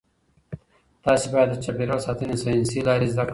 تاسي باید د چاپیریال ساتنې ساینسي لارې زده کړئ.